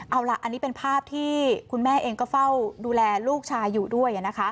เอาล่ะอันนี้เป็นภาพที่คุณแม่เองก็เฝ้าดูแลลูกชายอยู่ด้วย